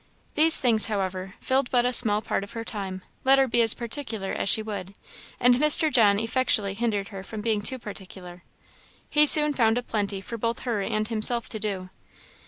These things, however, filled but a small part of her time, let her be as particular as she would; and Mr. John effectually hindered her from being too particular. He soon found a plenty for both her and himself to do.